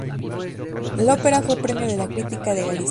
La ópera fue Premio de la Crítica de Galicia.